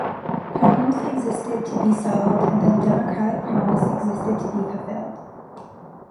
Problems existed to be solved, and the democratic promise existed to be fulfilled.